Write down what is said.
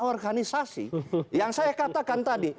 organisasi yang saya katakan tadi